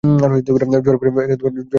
ঝড়ে পড়ে অনেক শিক্ষার্থী।